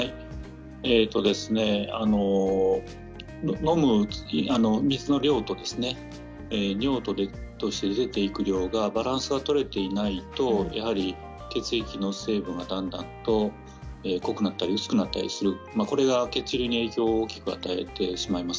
飲む水の量と尿として出ていく量がバランスが取れていないと血液の成分が、だんだんと濃くなったり薄くなったりするそれが血流に影響を大きく与えたりします。